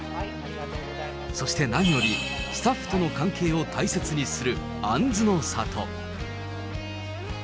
そして何よりスタッフとの関係を大切にする杏の里。